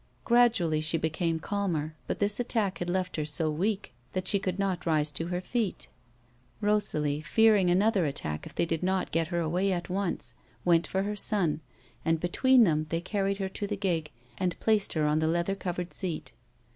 Gradually she became calmer, but this attack had left her so weak that she could not rise to her feet. Rosalie, fearincr another attack if they did not get her away at once, went for her son, and between them, they carried her to the gig, and placed her on the leather covered seat.